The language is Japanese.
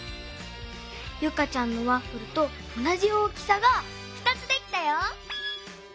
ユカちゃんのワッフルとおなじ大きさが２つできたよ！